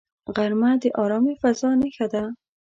غرمه د آرامې فضاء نښه ده